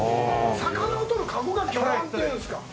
魚を取る籠が魚籃っていうんですか？